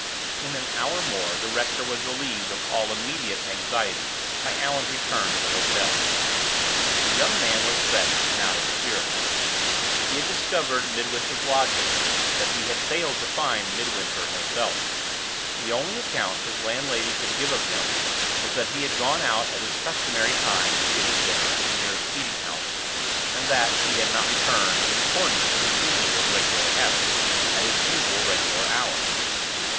In an hour more the rector was relieved of all immediate anxiety by Allan's return to the hotel. The young man was vexed and out of spirits. He had discovered Midwinter's lodgings, but he had failed to find Midwinter himself. The only account his landlady could give of him was that he had gone out at his customary time to get his dinner at the nearest eating house, and that he had not returned, in accordance with his usual regular habits, at his usual regular hour.